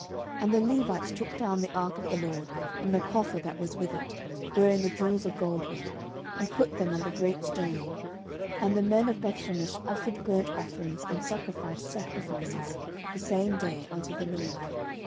09:006:015 And the Levites took down the ark of the LORD, and the coffer that was with it, wherein the jewels of gold were, and put them on the great stone: and the men of Bethshemesh offered burnt offerings and sacrificed sacrifices the same day unto the LORD.